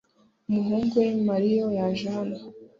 umuhungu we Mario yaje hano